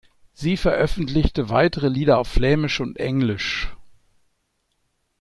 Sie veröffentlichte weitere Lieder auf Flämisch und Englisch.